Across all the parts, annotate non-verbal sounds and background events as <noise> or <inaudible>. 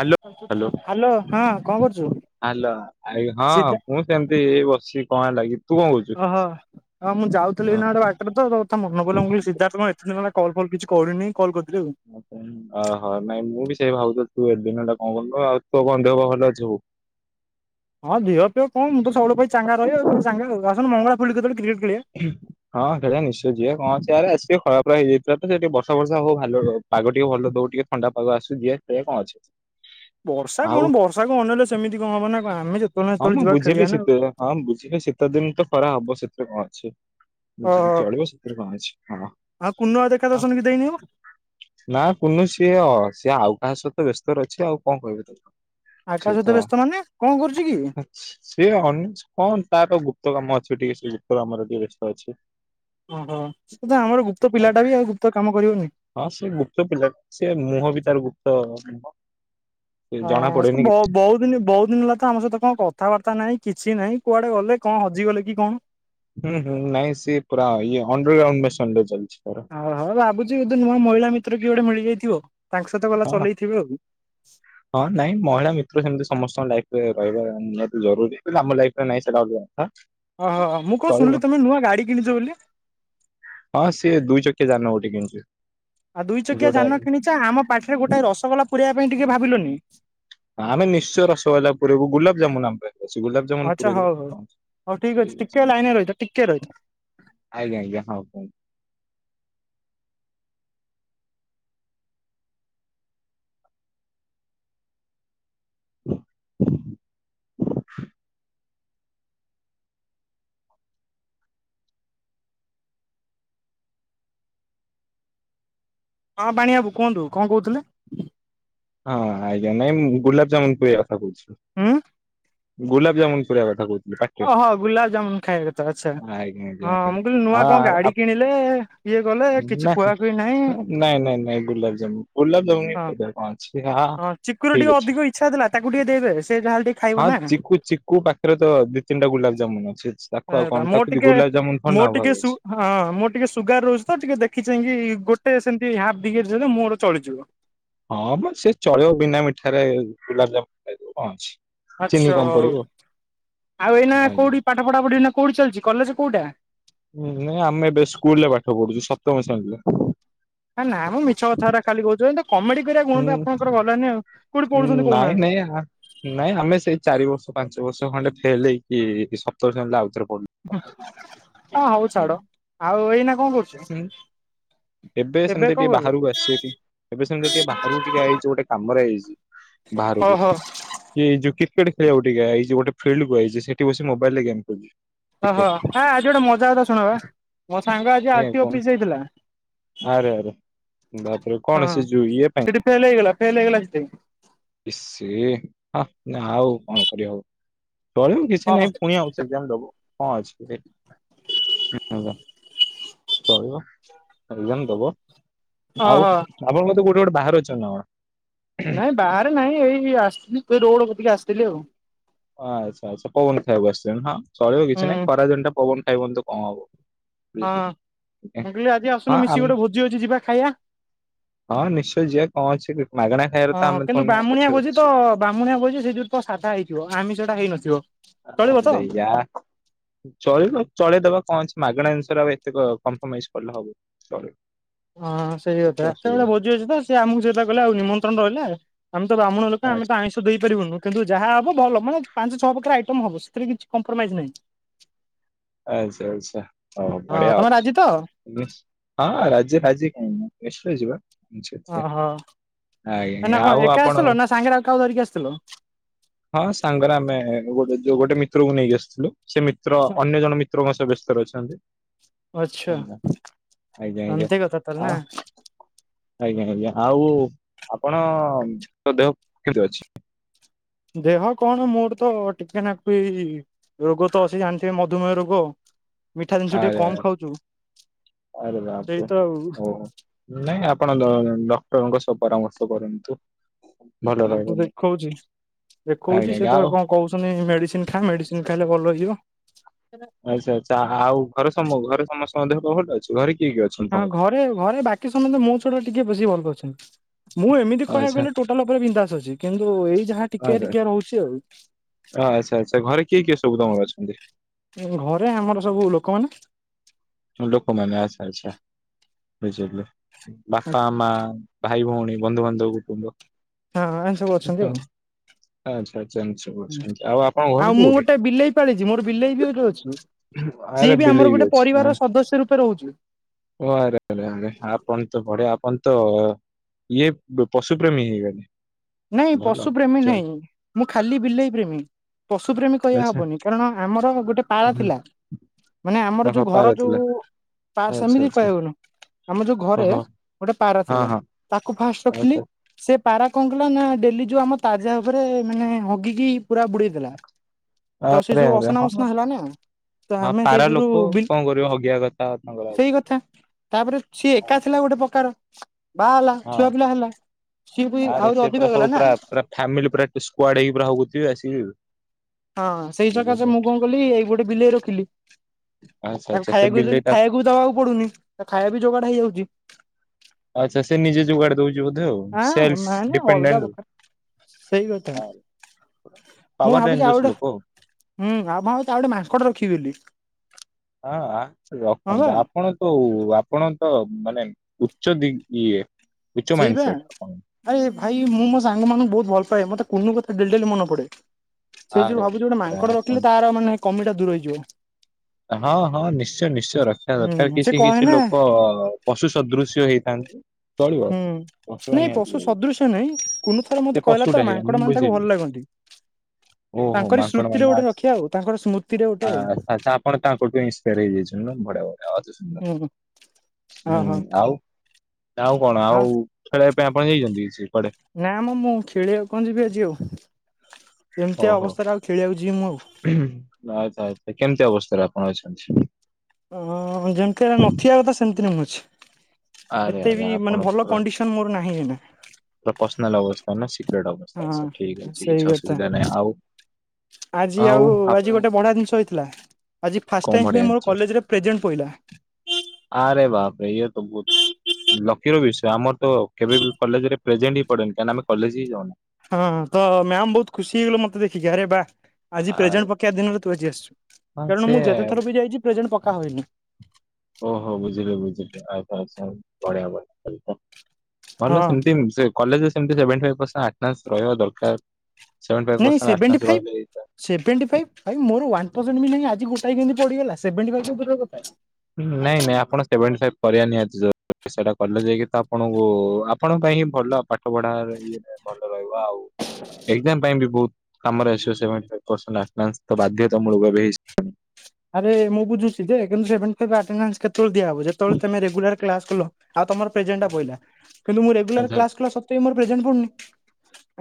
Hello hello hello ହଁ କଣ କରୁଛୁ? ହ୍ୟାଲୋ ଆ ସିଧା ହଁ ପହଂ ଏମିତି ହି ବସିଛି। କଣ ହେଲାକି? ଓହୋ ଆଉ ମୁଁ ଯାଉଥିଲି ଏୟିନା ଗୋଟେ ବାଟରେ ତ ତ ମନେ ପଡିଲା ମୁଁ ବୋଲି ସିଧାର୍ଥତ କଣ ଏତେ ଦିନ ହେଲା କଲ ଫଲ କିଛି କରିନି, କଲ କରିଦେଲି ଆଉ। ଅହ ନାଇଁ ମୁଁ ବି ସେଇ ଭାବୁଛି ତୁ ଏତେ ଦିନ ହେଲା କଣ କରନୁ। ତୋର କଣ ଦେହ ପା ଭଲ ଅଛି ସବୁ? ହଁ ଦେହ ପେହ କଣ ମୁଁ ତ ସବୁ ବେଳେ ପାଇଁ ଚାଙ୍ଗା ରହେ, ଆଉ ଚାଙ୍ଗା, ଆସୁନୁ ମଙ୍ଗଳା ଫୁଲି କେତେବେଳେ କ୍ରିକେଟ ଖେଳିବା ହଁ ସେଟା ନିଶ୍ଚୟ ଯିବା, କଣ ଅଛି ଆରେ, ଆସିବି ଖରାପା ହେଇଯାଇଥିଲା ତ ସେଠିକି ବର୍ଷା ବର୍ଷା ହଉ ଖାଲୁଆ ରହୁଛି। ପାଗ ଟିକେ ଭଲ ଦଉ ଟିକେ ଥଣ୍ଡା ପାଗ ଆସୁ ଯିଆ ଖେଳିଆ କଣ ଅଛି। ବର୍ଷା ଆଉ କଣ ବର୍ଷାକୁ ମ ଅନେଲେ ସେମିତି କଣ ହବ ନା କଣ ଆମେ ଜଦି ହଁ ମୁଁ ବୁଝିଲି ଶୀତ ହଁ ମୁଁ ବୁଝିଲି ଶୀତ ଦିନ ତ ଖରା ହବ ସେଥିରେ କଣ ଅଛି। ବି ଓହୋ ଚଳିବ ସେଥିରେ କହ ଅଛି ହଁ। ଆଉ କୁନୁଆ ଦେଖା ଦର୍ଶନ ବି ଦେଇନ। ନା କୁନୁ ସିଏ ଅ ସିଏ ଆଉ କାହା ସହିତ ବ୍ୟସ୍ତ ରହିଛି ଆଉ କଣ କହିବି ତାକୁ ଆଉ କାହା ସହିତ ତ ବ୍ୟସ୍ତ ମାନେ କଣ କରୁଛି କି? ସେ ସିଏ ଅନ କଣ ତାର ଗୁପ୍ତ କାମ ଅଛି ଟିକେ ସେ ଗୁପ୍ତ କାମରେ ଟିକେ ବ୍ୟସ୍ତ ଅଛି। ଓହୋ ତା ଆମର ସେ ଗୁପ୍ତ ପିଲାଟା ବି ଆଉ ଗୁପ୍ତ କାମ କରିବନିକି ହଁ ସେ ଗୁପ୍ତ ପିଲା ସେ ମୁହଁ ବି ତାର ଗୁପ୍ତ ମୁହଁ। ସେ ଜଣା ହଁ ସେ ପଡେନି। କିଛି। ବହୁ ବଉ ଦିନି ବଉ ଦିନି ଲା ତ ଆମ ସହିତ କଣ କଥାବାର୍ତ୍ତା ନାହିଁ କିଛି ନାହିଁ କୁଆଡେ ଗଲେ କଣ ହଜିଗଲେ କି କଣ। ହୁଁ ହୁଁ ନାଇଁ ସିଏ ପୁରା ଇଏ ଅଣ୍ଡର ଗ୍ରାଉଣ୍ଡମେସନରେ ଚାଲିଛି ତାର ହ ହ ଭାବୁଛି ଉଧେ ନୂଆ ମହିଳା ମିତ୍ର କିଏ ଗୋଟେ ମିଳିଯାଇଥିବ ତାଙ୍କ ସହିତ ଗଲା ହଁ। ଚଲେଇଥିବ ହଁ ନାଇଁ ମହିଳା ମିତ୍ର ସେମିତି ସମସ୍ତଙ୍କ ଲାଇଫ ରେ ରହିବା ନିହାତି ଜରୁରୀ <unintelligible> ଆମ ଲାଇଫ ରେ ନାଇଁ ସେଇଟା ଅଲଗା କଥା। ଓହୋ ମୁଁ କଣ ଚଳିବ ଶୁଣିଲି ତମେ ନୂଆ ଗାଡ଼ି କିଣିଛ ବୋଲି। ହଁ ସିଏ ଦୁଇ ଚକିଆ ଜାନ ଗୋଟେ କିଣିଛି। ଆଉ ଦୁଇ ଚକିଆ ଯୋଉଟା ଯାନ କିଣିଛ ଆମ ପାଟିରେ ଗୋଟେ ରସଗୋଲା ପୁରେଇବା ପାଇଁ ଟିକେ ଭାବିଲନି। ଆମେ ନିଶ୍ଚୟ ରସଗୋଲା ପୂରେଇବୁ ଗୁଲାପ ଜାମୁନ ଆମ୍ ପେ ଏ ସି ଗୁଲାପ ଜାମ ଆଚ୍ଛା ହଉ ହଉ ହଉ ଠିକ ଅଛି ଟିକେ ଲାଇନ ରହିଥା ଟିକେ ରହିଥା ଆଜ୍ଞ ଆଜ୍ଞା ହଉ ହଉ <inaudible> ହଁ ପାଣି ଆବୁ କୁହନ୍ତୁ କଣ କହୁଥିଲେ? ହଁ ଆଜ୍ଞା ନାଇଁ ମୁଁ ଗୁଲାପଜାମୁନ କୁଇଆ କଥା କହୁଛି। ଉଁ ଗୁଲାପଜାମୁନ ପୁରେଇଆ କଥା କହୁଛି ଓହୋ ଗୁଲାବଜାମୁନ ଖାଇଆ କଥା ଆଚ୍ଛା ଆଜ୍ଞା ଆଜ୍ଞା ହଁ ମୁଁ କଲ ନୂଆ କଣ ଆ- ଆ- ଗାଡି କିଣିଲେ। ଇଏ କଲେ କିଛି ନା କୁହାକୁହି ନାହିଁ ନାଇଁ ନାଇଁ ନାଇଁ ଗୁଲାବଜାମୁନ ଗୁଲାବଜାମୁନ ହଁ କାଇଁ ପାଦରେ ଇ ହା ହା ହଁ ଚିକୁର ଟିକେ ଠିକ ଅଛି ଅଧିକ ଇଚ୍ଛା ଥିଲା ତାକୁ ଟିକେ ଦେଇଦେବେ ସେ ଯାହାହେଲେ ଟିକେ ଖାଇବ ହଁ ନା ଚିକୁ ଚିକୁ ପାଖ ତାରେ ତ ଦି -ତିନି ଟା ଗୋଲାପଜାମୁନ ଅଛି ଛି ତାକୁ ଆଉ କଣ ମୋର ତାକୁ ଯ ଟିକେ ଗୁଲାବ ଜାମୁନ କଣ ଟା ମୋର ଟିକେ ଅଭାବ ସୁ ଅଛି। ହଁ ମୋର ଟିକେ ସୁଗାର ରହୁଛି ତ ଟିକେ ଦେଖି ଚାଇଁକି ଗୋଟେ ସେମିତି ହାଫ୍ ଦି <unintelligible> ମୋର ଚଳିଯିବ। ହଁ ମ ସେ ଚଳିବ ବିନା ମିଠାରେ ଗୁଲାପଜାମୁନ ଖାଇଦବ କଣ ଅଛି। ଚିନି ଆଚ୍ଛା କମ ହଉ ପଡିବ। ଆଉ ଏଇନା ଆଜ୍ଞା। କୋଉଠି ପାଠ ପଢା ପଢି ନା କୋଉଠି ଚାଲିଛି କଲେଜ କୋଉଟା? ହୁଁ ନାଇଁ ଆମେ ଏବେ ସ୍କୁଲ ରେ ପାଠ ପଢୁଛୁ ସପ୍ତମ ଶେଣୀରେ। ଆ ନା ମୁଁ ମିଛ କଥା ଗୁଟା ଖାଲି କହୁଛୁ ଏନ୍ତେ କମେଡି କରିବା ଗୁଣଟା ଆପଣଙ୍କର ଗଲାନି ଆଉ। କୋଉଠି ହଁ ପଢୁଛନ୍ତି ନାଇଁ କହୁନାହାନ୍ତି ନାଇଁ ଆ ନାଇଁ ଆମେ ସେଇ ଚାରି ବର୍ଷ ପାଞ୍ଚ ବର୍ଷ ଖଣ୍ଡେ ଫେଲ ହେଇକି ସପ୍ତମ ଶ୍ରେଣୀ ରେ ଆଉଥରେ ପଡିଲୁ ହଁ ଓ ହଉ ଛାଡ ଆଉ ଏଇନା କଣ କରୁଛ? ହୁଁ ଏବେ ସେମିତି କଣ ଟିକେ କରୁଛ ବାହାରକୁ ଆସି ଏଠି ଏବେ ସେମିତି ଟିକେ ବାହାରକୁ ଟିକେ ଆଇଚୁ ଗୋଟେ କାମରେ ଆଇଛି। ବାହାରକୁ ଓହୋ ଏ ଯୋଉ କ୍ରିକେଟ ଖେଳିଆକୁ ଟିକେଆଇଛି ଗୋଟେ ଫିଲଡ କୁ ଆଇଛି ସେଠି ବସି ମୋବାଇଲ ରେ ଗେମ୍ ଖେଳୁଛି। ଓହୋ କ୍ରିକେଟ ଆ ଆଜି ଗୋଟେ ମଜା କଥା ଶୁଣବା ମୋ ସାଙ୍ଗ ଆଜି ଆଜ୍ଞା ଆର ଟି କଣ ଅଫିସ ଯାଇଥିଲା। ଆରେ ଆରେ ବାପରେ କଣ ହଁ ସେ ଯୁ ଇଏ ପାଇଁ ସେଠି ଫେଲ ହେଇଗଲା ଫେଲ ହେଇଗଲା ଜିତେ ଇସ୍ ଏ ହା ନା ଆଉ କଣ କରିବା ଆଉ ତଳିବ କିଛି ହଁ ନାଇ ପୁଣି ହଉସ ସେକ୍ଜାମ ଦେବ ଅଛି ଏ <unintelligible> ଚଳିବ <unintelligible> ଦବ ଆଉ ଓହୋ ଆପଣ କଉତି କଉଠି ଗୋଟେ ବାହାରୁ ଅଛନ୍ତି ନା କଣ। ନାଇଁ ବାହାରେ ନାଇଁ ଏଇ ଆସିଥିଲି ତେ ରୋଡ଼କତିକି ଆସିଥିଲି ଆଉ। ଓ ଆଚ୍ଛା ଆଚ୍ଛା ପବନ ଖାଇଆକୁ ଆସ୍ ହଁ ଚଳିବ ହୁଁ କିଛି ନାଇଁ ଖରାଦିନ ଟା ପବନ ଖାଇଅନି ତ କଣ ହବ। ହଁ ବୁଝିଲି, ଟିକେ। ମୁଁ କହିଲି ଆଜି ହଁ ଆସୁନ ମିଶି ଆମେ ଗୋଟେ ଭୋଜି ଅଛି ଯିବା ଖାଇବା। ହଁ ନିଶ୍ଚୟ ଯିିବା କଣ ଅଛି ମାଗଣା ଖାଇବାର ତ ହଁ ଆମେ କିନ୍ତୁ ପୁଣି ବାମୁଣିଆ ପଛରେ ଥାଉ। ଭୋଜି ତ ବାମୁଣଆ ଭୋଜି ସେଇ ଯ ତ ସାଧା ହେଇଥିବ ଆମେ ସେଇଟା ହେଇନଥିବ‌। ହଁରେଆା। ଚଳ ଚଳେଇଦବା କଣ ଅଛି ମାଗଣା ଜିନିଷ ଆ ଏତେ କମ୍ପ୍ରମାଇଜ କଲେ ହବ କି ଚଳ। ହଁ ସେଇ କଥା ସେଇଭଳିଆ ଭୋଜି ଅଛି ତ ସେ ଆମକୁ ସେଇଟା କଲେ ଆଉ ନିମନ୍ତ୍ରଣ ରହିଲା ଆମେ ତ ବ୍ରହ୍ଣଣ ଲୋକ ନାହିଁ ଆେ ତ ଆଇଁଷ ଦେଇପାରିବୁନୁ। କିନ୍ତୁ ଯାହା ହବ ଭଲ ମାନେ ପାଞ୍ଚ ଛଅ ପ୍ରକାର ଆଇଟମ ହବ ସେଥିରେ କିଛି କମ୍ପ୍ରୋମାଇଜ୍ ନାହିଁ। ଆଚଛା ଆଚ୍ଛା ହ ହଁ ବଢିଆ। ତମେ ରାଜି ତ? ହଁ ରାଜି ଫାଜିେ ଖାଇଁି ନିଶ୍ଚୟ ଯିବା ଓହୋ ଆ ନା କଣ ଆଉ ଏକା ଆପଣ। ଆସିଥିଲ ନା ସାଙ୍ଗରେ ଆଉ କାଉ ଧରିକି ଆସିଥିଲ? ହଁ ସାଙ୍ଗରେ ଆମେ ଗୋଟେ ଯୋଉ ଗୋଟେ ମିତ୍ରକୁ ନେଇକି ଆସିଥିଲୁ। ସେ ମିତ୍ର ଅନ୍ୟ ଜଣ ମିତ୍ରଙ୍କ ସହ ବ୍ୟସ୍ତ ରେ ଅଛନ୍ତି। ଆଚ୍ଛା ହ ଏମିତି କଥା <unintelligible> ତାହେଲେ ନା ଆଉ ଆଜ୍ଞା ଆଜ୍ଞା ଆଉ ଆପଣ ତ ଦେହ କେମିତି ଅଛି? ଦେହ କଣ ମୋର ତ ଟିକେ ନାକୁ ଏଇ ରୋଗ ତ ଅଛି ଜାଣିଥିବେ ମଧୁମେହ ରୋଗ। ମିଠା ଜିନିଷ ଟିକେ ଆରେ କମ ଖାଉଛୁ ଆରେ ବାପରେ ସେଇ ତ ଆଉ। ଓହୋ। ନାଇଁ ଆପଣ ଡକ୍ଟରଙ୍କ ସହ ପରାମର୍ଶ କରନ୍ତୁ। ଭଲ ହଁ ରହିବ ତୁ ଦେହ। ଦେଖଉଛି ଆଜ୍ଞା ଦେଖଉଛି ସେ ଆଜ୍ଞା ତ ଆଉ କଣ କହୁଛନ୍ତି ମେଡ଼ିସିନ ଖା ମେଡ଼ିସିନ ଖାଇଲେ ଭଲ ହେଇଯିବ। ଆଚ୍ଛା ଆଛା ଆଉ ଘରେ ସମ ଘରେ ସମସ୍ତେ ମଧ୍ୟଟ ଅଛି ଘରେ କିଏ କିଏ ଅଛନ୍ତି ତମର? ଏ ଘରେ ବାକି ସମୟସ୍ତେ ମୋ ଛଡା ଟିକେ ବେଶି ଭଲ ରେ ଅଛନ୍ତି। ମୁଁ ଏମିତି କହିବାକୁ ଆଚ୍ଛା ଗଲେ ଟୋଟାଲ ଉପରେ ବିନ୍ଧାସ ଅଛି କିନ୍ତୁ ଏଇ ଯାହା ଟିକିଆ ଟିକିଆ ରହୁଛି ଆଉ। ଅ ଆଚ୍ଛା ଆଚ୍ଛା ଘରେ କିଏ କିଏ ସବୁ ତମର ଅଛନ୍ତି? ଘରେ ଆମର ସବୁ ଲୋକମାନେ। <unintelligible> ମାନ ଆଶା ଅଛ <unintelligible> ବାପା ମା ଭାଇ ଭଉଣୀ ବନ୍ଧୁବାନ୍ଧବ କୁଟୁମ୍ବ ହଁ ଏ ସବୁ ଅଛନ୍ତି ଆଉ। ଆଚ୍ଛା ଆଚ୍ଛା ଆଚ୍ଛା ଆଉ ଆପଣଙ୍କ ଘରେ ମୁଁ କୋଉଠି? ଗୋଟେ ବିଲେଇ ପାଳିଛି ମୋର ବିଲେଇ ବି ଗୋଟେ ଅଛି ସିଏ ବି ଆମର ଗୋଟେ ପରିବାରର ସଦସ୍ୟ ରୂପେ ରହୁଛି। ଓ ଆରେ ଆରେ ଆରେ ଆପଣ ତ ଭଡେ ଆପଣ ତ। ଇଏ ପଶୁପ୍ରେମୀ ହେଇଗଲେ। ନାଇଁ ଭଲ ପଶୁ ପ୍ରେମୀ ଚଳ ନାହିଁ ମୁଁ ଖାଲି ବିଲେଇ ପ୍ରେମୀ ପଶୁପ୍ରେମୀ କହ ଆଚ୍ଛା ହବନି କାରଣ ଆମର ଗୋଟେ ପାଳ ହୁଁ ଥିଲା ମାନେ ଆମର ଓହୋ ଯୋଉ ପାରା ଘର ଥିଲା ଯୋଉ ତାର ଆଚ୍ଛା ସେମିତି ଆଚ୍ଛା ପାଇଗଲ। ଆମ ଯୋଉ ଘରେ ଓହୋ ଗୋଟେ ପାରା ହଁ ଥିଲା ହଁ ତାକୁ ଫାଷ୍ଟ ରଖିଲି ଆଚ୍ଛା ସେ ପାରା କଣ ନା ଡେଲି ଯୋଉ ଆମ ତାଜା ଉପରେ ମାନେ ହଗିକି ପୁରା ବୁଡେଇ ଦେଲା। ତ ସେ ଆରେ ସବୁ ଆରେ ଅସନା ହଁ ମସନା ହେଲାନ।। ତ ହଁ ଆମେ ସେଇ ପାରା ଲୋକ ଯୁରୁୁିଲ କଣ କରିବ ହଗିବା କଥା ତାଙ୍କର ଆଉ ସେଇ କଥା। ତାପରେ ସିଏ ହଁ ଏକା ଥିଲା ଗୋଟେ ପ୍ରକାର ବାହା ହେଲା ହଁ ଛୁଆ ପିଲା ହେଲା ସିଏ ବି ଆରେ ଆ ସେ ପୁରା ସବୁ ପୁରା ପୁରା ଫାମିଲି ପୁରା ସ୍ଡ ହେଇକ ପା ହଉଥିବ ଆସିକି। ହଁ ସେଇ ବୁଝିଲ। ସକାଶେ ମୁଁ କଣ କଲି ଏଇ ଗୋଟେ ବିଲେଇ ରଖିଲି। ଆଚ୍ଛା ତା ଆଚ୍ଛା ସେ ଖାଇବାକୁ ବିଲେଇଟା ଖାଇବାକୁ ବି ଦବାକୁ ପଡୁନି ତା ଖାଇବା ବି ଯୋଗାଡ ହେଇଯାଉଛି। ଆଚ୍ଛା ସେ ନିେ ଯୁାଡ ଦଉଛି। ଆଁ ସେଲ୍ସ ମାନେ ଅଲଗା ଡିପେଣ୍ଡେଣ୍ଟ। ପ୍ରକାର ସେଇ କଥା ମୁଁ ପାୱାର ଭାବୁଛି ଆଉ ରେଞଜର୍ସ ଗୋଟେ ଲୋକ। ହୁଁ ଆଉ ଭଁ ତାଉ ଗୋଟେ ମାଂସକଟ ରଖିବି ବୋଲି ହଁ ରଖ ବା। ଆପଣ ତ ଆପଣ ତ ମାନେ ଉଚ୍ଚ ଦି ଇଏ। ଉଚ୍ଚ ସେଇ ମାଇଣ୍ଡ ପା ସେଟ ଆପଣ ଆରେ ଭାଇ ମୁଁ ମୋ ସାଙ୍ଗ ମାନଙ୍କୁ ବହୁତ ଭଲ ପାଏ ମତେ କୁୁନୁ କଥା ଡେଲି ଡେଲି ମନେ ପଡେ। ସେଇ ଯୋଉ ଆରେ ଭାବୁଛି ଗୋଟେ ପୁରା ମାଙ୍କଡ ଆପଣ ରଖିଲେ ତାର ମାନେ କମିଟା ଦୂର ହେଇଯିବ। ହଁ ହଁ ନିଶ୍ଚୟ ନିଶ୍ଚୟ ରଖିବା ଦରକାର ହୁଁ ସେ କିଛି କହେ କିଛି ନା ଲୋକ ପଶୁ ସଦୃଶ୍ୟ ହେଇଥାନ୍ତି। ହୁଁ ଚଳିବ ନାଇଁ ନି ପଶୁ ସଦୃଶ୍ୟ ନାଇଁ କୁନୁ ଥରେ ମତେ ସେ କହିଲା ତ ପଶୁଟା ହେଇଆ ମାଙ୍କଡ ମୁଁ ବୁଝିଲି। ହ ତାଙ୍କର ସ୍ମୃତିରେ ଗୋଟେ ରଖିବା ଆଉ ତାଙ୍କର ସ୍ମୃତିରେ ଗୋଟେ ଆଉ କଣ ତାଙ୍କଠୁ ଇଂସ୍ପାୟର ହେଇଯାଇଛୁ ନା ବଢିଆଢିଆ ହୁଁ ହଁ ହୁଁ ହଁ ଆଉ ଆଉ କଣ ଆଉ ଖେଳିବା ପାଇଁ ଆପଣ ଯାଇଛନ୍ତି ସେ କୁଆଡେ? ନା ମ ମୁଁ ଖେଳିବାକୁ କଣ ଯିବି ଆଜି ଆଉ ଏମିତିଆ ଓହୋ ଅବସ୍ଥାରେ ଆଉ ଖେଳିବାକୁ ଯିବି ମୁଁ ଆଉ ଆଚ୍ଛା ଆଚ୍ଛା କେମିତି ଅବସ୍ଥାରେ ଆପଣ ଅଛନ୍ତି? ଅ ଯେନ୍ତି ନଥିବା କଥା ସେମିତି ନେ ଅଛି ଆରେ ଏତେ ଆରେ ବି ମାନେ ଆପଣ ଭଲ କଣ୍ଡିସ ମୋର ନାହିଁ ଏଇନା ତ ପର୍ସନଲ ଅବସ୍ତା ନ ସିକ୍ରେଟ ଅବସ୍ଥା ଠିକ ହଁ ହେଛି ସେଇ କିଛି କଥା ଅସୁବିଧା ନାହିଁ ଆଉ ଆଜି ଆଉ ଆଜି ଗୋଟେ ବଢିଆ ଜିନିଷ ହେଇଥିଲା। ଆଜି ଫାଷ୍ଟ କଣ ଟାଇମ୍ ବଢିଆ ପାଇଁ ମୋର ଜାଣିଛି କଲେଜରେ ପ୍ରେଜେଣ୍ଟ ପଇଲା। ଆରେ ବାବରେ ଇଏତ ବହୁତ ଲକିର ବିଷୟ ଆମର ତ କେବେ ବି କଲେଜ ପ୍ରେଜେଣ୍ଟ ହି ପଡେନି କାହିଁକି ଆମେ କଲେଜ ହି ଯାଉନା। ହଁ ତ ମ୍ୟାମ ବହୁତ ଖୁସି ହେଇଗଲ ମତେ ଦେଖିକି ଆରେ ବା ଆଜି ପ୍ରେଜେଣ୍ଟ ଆରେ ପକେଇବା ଦିନରେ ତୁ ଆଜି ଆସିଛୁ ହଁ କାରଣ ସେ ମୁଁ ଯେତେଥର ବି ଯାଇଛି ପ୍ରେଜେଣ୍ଟ ପକା ହଏନି। ଓହୋ ବୁଝିଲି ବୁଝିଲି ଆଚ୍ଛା ଆଚ୍ଛା ବଢିଆ ବଢିଆ ଭଲ ହଁ ସେମତି ସେ କଲେଜରେ ସେଭେଣ୍ଟୀ ଫାଇଭ ପର୍ଶେଣ୍ଟ ଆଟେନ୍ନସ ରହିବା ଦରକାର। ସେଭେଣ୍ଟି ଫାଇଭ ନାଇଁ ପରସେଣ୍ଟ ସେଭେଣ୍ଟି ଆଟେଣ୍ଡାନ୍ସ ଫାଇଭ୍ ରହିଲେ ସେଭେଣ୍ଟି ଫାଇଭ ଭାଇ ମୋର ୱାନ୍ ପରସେଣ୍ଟ ବି ନାଇ ଆଜି ଗୋଟାଏ କେମିତି ପଡ଼ିଗଲା ସେଭେଣ୍ଟି ଫାଇଭ ତ ଦୂରର କଥା। ନାଇଁ ନାଇଁ ଆପଣ ସେଭେଣ୍ଟି ଫାଇଭ୍ କରିବା ନିିହାତି ଦର୍ ସେଇଟା କଲେ ଯାଇକି ତ ଆପଣଙ୍କୁ ଆପଣଙ୍କ ପାଇଁ ହିଁ ଭଲ ପାଠ ପଢା ଭଲ ରହିବ ଆଉ ଏଇଥିପାଇଁ ବି ବହୁତ କାମରେ ଆସିବ ସେଭେଣ୍ଟି ଫାଇଭ ପରସେଣ୍ଟ ବାଧ୍ୟତାମୂଳକ ବି ହେଇଛି। ଆରେ ମୁଁ ବୁଝୁଛି ଯେ କିନ୍ତୁ ସେଭେଣ୍ଟି ଫାଇଭ ଆଟେନାନ୍ସ କେତେବେଳେ ଦିଆହବ ଯେତେବେଳେ ତମେ ରେଗୁଲାର କ୍ଲାସ କଲ୍। ଆଉ ତମର ପ୍ରେଜେଣ୍ଟ ପହିଲା କିନ୍ତୁ ମୁଁ ରେଗୁଲାର ଆଚ୍ଛା କ୍ଲାସ କଲା ସତ୍ୱେ ମୋର ପ୍ରେଜେଣ୍ଟ ପଡୁନି।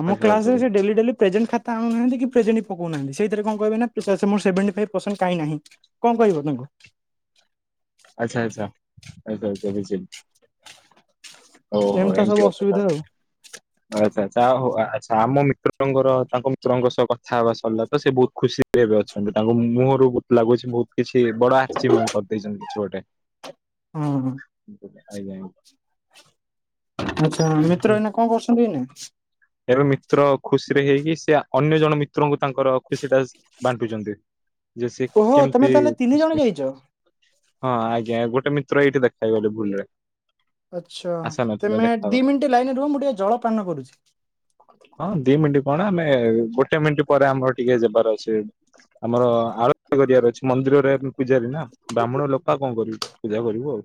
ଆମ ଆଚ୍ଛା ଆଚ୍ଛା କ୍ଲାସରେ ସେ ବୁଝିଲି ଡେଲି ଡେଲି ପ୍ରେଯେଣ୍ଟ ଖାତା ଆଣୁନାହାନ୍ତି କି ପ୍ରେଜେଣ୍ଟ ପକଉନାହାନ୍ତି। ସେଇଥିରେ କଣ କହିବ ନା ସେଭେଣ୍ଟି ଫାଇଭ କାଇଁ ନାହିଁ କଣ କହିବ ତାଙ୍କୁ? ଆଚ୍ଛା ଆଚ୍ଛା ଆଚ୍ଛା ଆଛା ବୁଝିଲି? ଓହୋ ଏମିତି ତ ଏମତି ସବୁ କଥାଥା? ଅସୁବିଧା ଆଚଛା ଆଉ ଆଛା ଆମ ମିତ୍ରଙ୍କର ତାଙ୍କ ମିତ୍ରଙ୍କ ସହ କଥା ହବା ସରିଲା ତ ସେ ବହୁତ ଖୁସି ଏବେ ଅଛନ୍ତି ତାଙ୍କ ମୁହଁରୁ ବହୁତ ଲାଗୁଛି ବହୁତ କିଛି ବଡ ଆଚିଭମେଣ୍ଟ କରିଦେଇଛନ୍ତି କିଛି ଗୋଟେ ହଁ ହଁ। ଆଜ୍ଞା ଆଜ୍ଞା। ଆଚ୍ଛା ଆଜ୍ଞା। ମିତ୍ର ଏଇନା କଣ କରୁଛନ୍ତି ଏଇନା? ଏବେ ମିତ୍ର ଖୁସିରେ ହେଇକି ସେ ଅନ୍ୟ ଜଣ ମିତ୍ରଙ୍କୁ ତାଙ୍କର ଖୁସି ଟା ବାଣ୍ଟୁଛନ୍ତି ଯେ ସେ ଓହୋ ତମେ କେମିତି ତାହେଲେ ତିନି ଜଣ ଯାଇଛ ହଁ ଆଜ୍ଞା ଗୋଟେ ମିତ୍ର ଏଇଠି ଦେଖା ହେଇଗଲେ ଭୁଲ ରେ ଆଚ୍ଛା ତମେ ଦି ଦେଖାଗଲା। ମିନିଟ୍ ଲାଇନରେ ରୁହ ମୁଁ ଟିକେ ଜଳପାନ କରୁଛି। ହଁ ଦି ମିନିଟ୍ କଣ ଆମେ ଗୋଟେ ମିନିଟ୍ ପରେ ଆମର ଟିକେ ଯିବାର ଅଛି। ଆମର ଆରୋଗ୍ୟ କରିବାର ଅଛି ମନ୍ଦିରରେ ପୂଜାରୀ ନା ବ୍ରାହ୍ମଣ ଲୋକ ଆଉ କଣ କରିବି? ପୂଜା କରିବୁ ଆଉ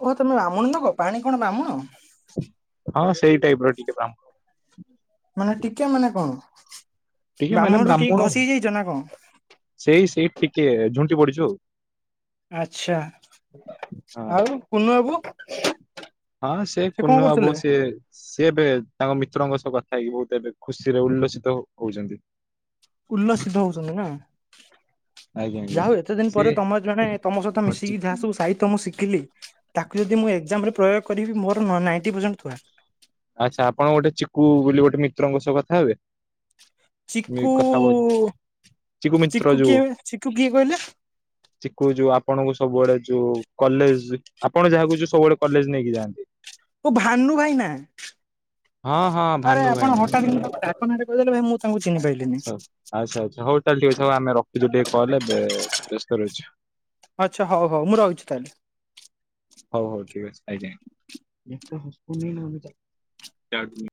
ଓହୋ ତମେ ବାମୁଣ ନୋକ କଣ ପାଣି କଣ ବାମୁଣ। ହଁ ସେଇ ଟାଇପ୍ ର ଟିକେ। <unintelligible> ମାନେ ଟିକେ ମାନେ କଣ? ଟିକେ ମାନେ ବ୍ରାହ୍ମଣଠୁ ଟିକେ ବ୍ରାହ୍ମଣ ଘଷି ହେଇ ଯାଇଚ ନା କଣ? ସେଇ ସେଇ ଟିକେ ଝୁଣ୍ଟି ପଡିଚୁ ଆଉ। ଆଚ୍ଛା। ହଁ ଆଉ କୁନୁ ବାବୁ? ହଁ ସେ କଣ କୁନ ବାବୁ କରୁଥିଲେ? ସେ ସିଏ ଏବେ ତାଙ୍କ ମିତ୍ରଙ୍କ ସହ କଥା ହେଇକି ବହୁତ ଏବେ ଖୁସିରେ ଉଲ୍ଲସିତ ହଉଛନ୍ତି। ଉଲ୍ଲସିତ ହଉଛନ୍ତି ନା। ଆଜ୍ଞା ଯାହା ଆଜ୍ଞା ହଉ ଏତେ ଦିନ ପରେ ସିଏ ତମର ଜଣେ ତମ ସହିତ ଓ ଚି- ମିଶିକି ଯାହା ସବୁ ସାହିତ୍ୟ ମୁଁ ଶିି ଖିଲି ତାକୁ ଯଦି ମୁଁ ଏକ୍ଜାମ୍ ରେ ପ୍ରୟୋଗ କରିବି ମୋର ନାଇଣ୍ଟି ପରସେଣ୍ଟ ଥୁଆ। ଆଚ୍ଛା, ଆପଣ ଗୋଟେ ଚିକୁୁ ବୋଲି ଗୋଟେ ମିତ୍ରଙ୍କ ସହ କଥା ହେବେ? ମି- ଚିକୁ କଥା ହବ ମିତ୍ର ଚିକୁ ଯୋଉ କିଏ ଚିକୁ କିଏ କହିଲେ? ଚିକୁ ଯୋଉ ଆପଣଙ୍କୁ ସବୁଆଡେ ଯୋଉ କଲେଜ୍ ଆପଣ ଯାହାକୁୁ ଯୋଉ ସବୁବେଳେ କଲେଜ୍ ନେଇକି ଯାଆନ୍ତି। ଓ ଭାନୁ ଭାଇନା। ହଁ ହଁ ଭାନୁ ଭାଇନା। କିନା ତାଙ୍କ ଡାକ ନାଁଟା କହିଦେଲେ ଭାଇ ମୁଁ ତାଙ୍କୁ ଚିହ୍ନି ପାଇଲିନି। ଆଚ୍ଛା ଆଚ୍ଛା ହଉ ତାହେଲେ ଠିକ୍ ଅଛି। ଆମେ ରଖୁଚୁ ଟିକେ କଲ୍ ଏବେ ବ୍ୟ <unintelligible> ଆଚ୍ଛା ହଉ ହଉ ମୁଁ ରହୁଚି ତାହେଲେ। ହଉ ହଉ ଠିକ୍ ଅଛି ଆଜ୍ଞା। <unintelligible>